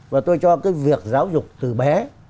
và tôi cho cái việc giáo dục từ bé